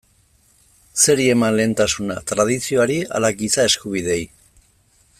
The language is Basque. Zeri eman lehentasuna, tradizioari ala giza eskubideei?